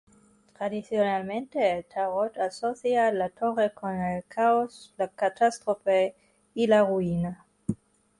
Tradicionalmente el tarot asocia la Torre con el caos, la catástrofe y la ruina.